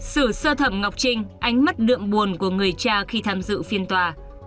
sử sơ thẩm ngọc trinh ánh mắt đượm buồn của người cha khi tham dự phiên tòa